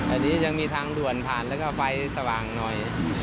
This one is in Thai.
อันนี้ยังมีทางด่วนผ่านแล้วก็ไฟสว่างหน่อย